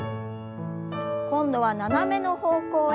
今度は斜めの方向へ。